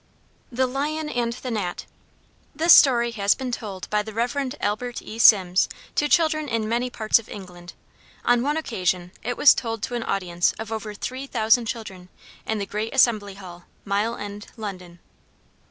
THE LION AND THE GNAT [Footnote 1: This story has been told by the Rev. Albert E. Sims to children in many parts of England. On one occasion it was told to an audience of over three thousand children in the Great Assembly Hall, Mile End, London.